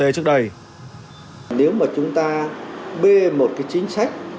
nếu mà chúng ta bê một chính sách